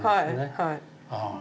はい。